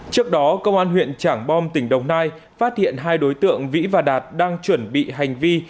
trước đó công an huyện trảng bom tỉnh đồng nai phát hiện hai đối tượng vĩ và đạt đang chuẩn bị hành vi